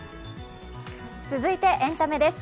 続いてエンタメです。